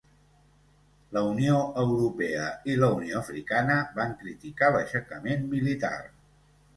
La Unió Europea i la Unió Africana van criticar l'aixecament militar.